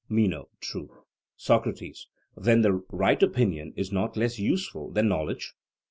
MENO: True. SOCRATES: Then right opinion is not less useful than knowledge?